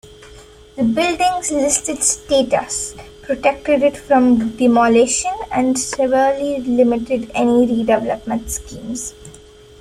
The building's listed status protected it from demolition and severely limited any redevelopment schemes.